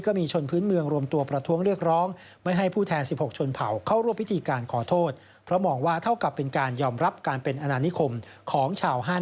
ก็มีชนพื้นเมืองรวมตัวประท้วงเลือกร้อง